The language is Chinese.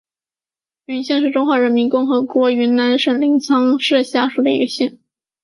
云县是中华人民共和国云南省临沧市下属的一个县。